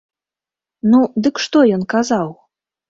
Ну, дык што ён казаў?